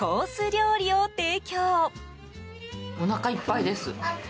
料理を提供。